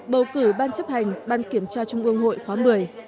bầu cử ban chấp hành ban kiểm tra trung ương hội khóa một mươi